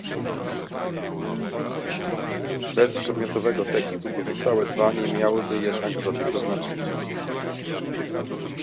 Bez przedmiotowego tekstu pozostałe dwa nie miałyby jednak żadnego znaczenia